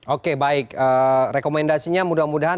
oke baik rekomendasinya mudah mudahan